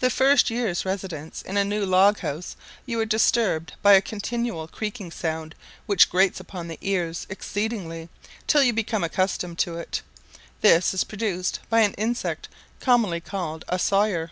The first year's residence in a new log house you are disturbed by a continual creaking sound which grates upon the ears exceedingly, till you become accustomed to it: this is produced by an insect commonly called a "sawyer."